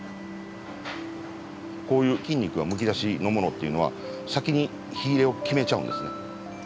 こういう筋肉がむき出しのものっていうのは先に火入れを決めちゃうんですね。